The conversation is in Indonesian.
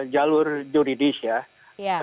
jalur juridis ya